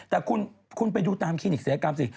แต่คุณไปดูตามคลินิกศัยกรรมสิ